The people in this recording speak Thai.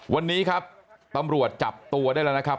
วันนี้ครับตำรวจจับตัวได้แล้วนะครับ